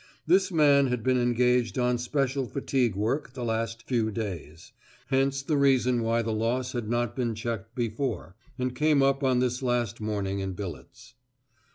This man had been engaged on special fatigue work the last few days; hence the reason why the loss had not been checked before, and came up on this last morning in billets.